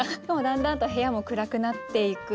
だんだんと部屋も暗くなっていく。